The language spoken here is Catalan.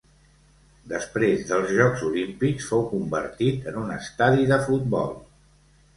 Després dels Jocs Olímpics, fou convertit en un estadi de futbol.